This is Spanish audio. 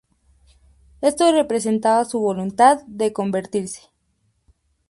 Esto representaba su voluntad de convertirse.